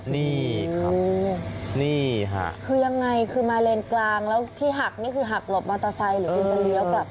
นี่ครับนี่ค่ะคือยังไงคือมาเลนกลางแล้วที่หักนี่คือหักหลบมอเตอร์ไซค์หรือคุณจะเลี้ยวกลับ